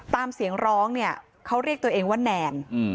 ตามเสียงร้องเนี่ยเขาเรียกตัวเองว่าแนน